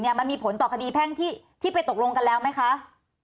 มันมีผลต่อคดีแพ่งที่ไปตกลงกันแล้วไหมคะ